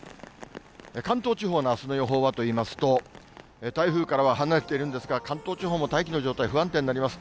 関東地方のあすの予報はといいますと、台風から離れているんですが、関東地方も大気の状態、不安定になります。